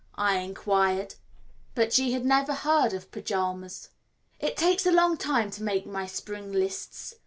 I inquired. But she had never heard of pyjamas. It takes a long time to make my spring lists.